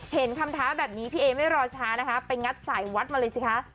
เห็นคำท้าแบบนี้พี่เอไม่รอช้านะคะไปงัดสายวัดมาเลยสิคะ